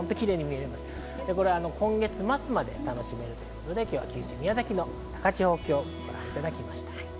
今月末まで楽しめるということで、九州・宮崎の高千穂峡をご覧いただきました。